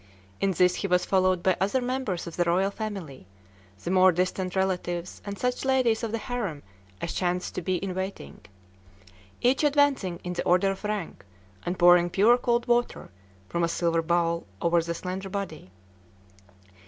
In this he was followed by other members of the royal family, the more distant relatives, and such ladies of the harem as chanced to be in waiting, each advancing in the order of rank, and pouring pure cold water from a silver bowl over the slender body.